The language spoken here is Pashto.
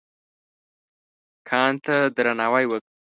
کان ته درناوی وکړه.